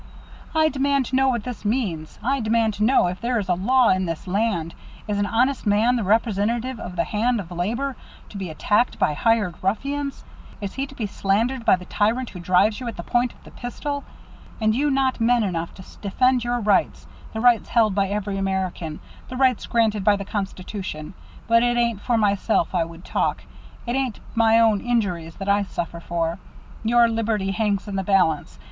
"I demand to know what this means! I demand to know if there is a law in this land! Is an honest man, the representative of the hand of labor, to be attacked by hired ruffians? Is he to be slandered by the tyrant who drives you at the point of the pistol? And you not men enough to defend your rights the rights held by every American the rights granted by the Constitution! But it ain't for myself I would talk. It ain't my own injuries that I suffer for. Your liberty hangs in the balance.